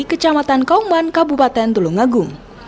kecamatan kauman kabupaten tulungagung